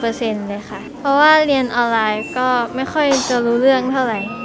เพราะว่าเรียนออนไลน์ก็ไม่ค่อยจะรู้เรื่องเท่าไหร่